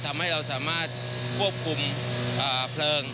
ทำให้เราสามารถควบคุมเพลิง